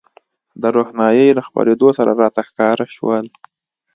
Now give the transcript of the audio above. د روښنایۍ له خپرېدو سره راته ښکاره شول.